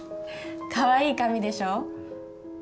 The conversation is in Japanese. かわいい紙でしょ。